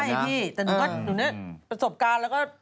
ใช่พี่ประสบการณ์แล้วก็